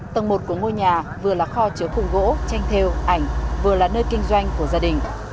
tầng một của ngôi nhà vừa là kho chứa cùng gỗ tranh theo ảnh vừa là nơi kinh doanh của gia đình